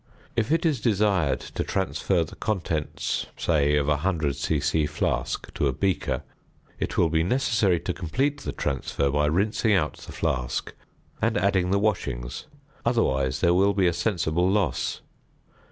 If it is desired to transfer the contents say of a 100 c.c. flask to a beaker, it will be necessary to complete the transfer by rinsing out the flask and adding the washings; otherwise there will be a sensible loss.